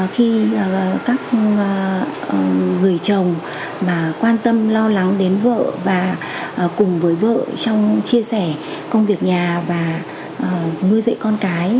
khi các người chồng mà quan tâm lo lắng đến vợ và cùng với vợ trong chia sẻ công việc nhà và nuôi dạy con cái